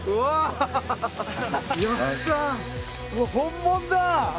本物だ！